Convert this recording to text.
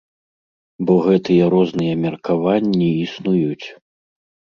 Бо гэтыя розныя меркаванні існуюць.